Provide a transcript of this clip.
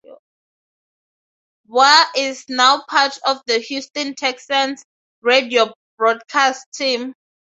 Ware is now part of the Houston Texans' radio broadcast team.